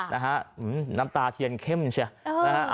นะฮะอื้มน้ำตาเทียนเข้มเชียครับ